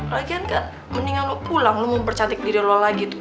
lagian kan mendingan lo pulang lo mempercantik diri lo lagi tuh